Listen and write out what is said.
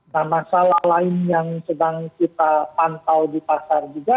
nah masalah lain yang sedang kita pantau di pasar juga